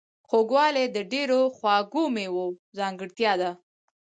خوږوالی د ډیرو خواږو میوو ځانګړتیا ده.